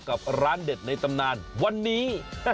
กับร้านเด็ดในตำนานวันนี้